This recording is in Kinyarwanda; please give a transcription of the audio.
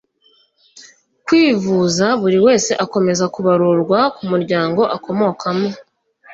kwivuza buri wese akomeza kubarurwa ku muryango akomokamo